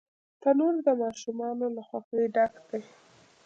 تنور د ماشومانو له خوښۍ ډک دی